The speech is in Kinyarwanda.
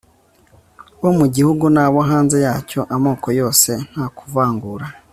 bo mugihugu n abo hanze yacyo amokoyose nta kuvangura